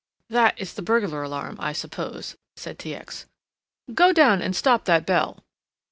"That is the burglar alarm, I suppose," said T. X.; "go down and stop that bell."